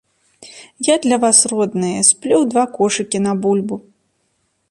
Я для вас, родныя, сплёў два кошыкі на бульбу.